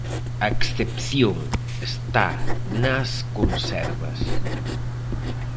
A excepción está nas conservas.